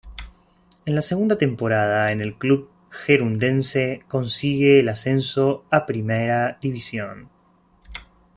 En la segunda temporada en el club gerundense consigue el ascenso a Primera División.